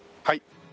はい。